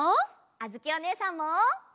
あづきおねえさんも！